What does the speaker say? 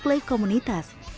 keluk lep komunitas